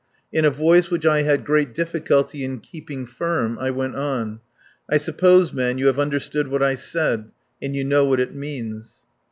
In a voice which I had great difficulty in keeping firm, I went on: "I suppose, men, you have understood what I said, and you know what it means."